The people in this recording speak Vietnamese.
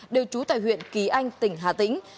đều trú tại huyện kỳ anh tỉnh hà tĩnh